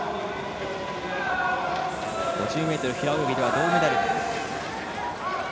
５０ｍ平泳ぎでは銅メダル。